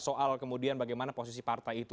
soal kemudian bagaimana posisi partai itu